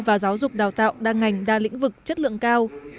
và giáo dục đào tạo đa ngành đa lĩnh vực chất lượng cao